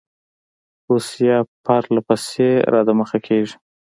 روسیه پر له پسې را دمخه کیږي.